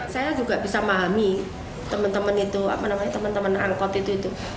saya juga bisa memahami teman teman angkut itu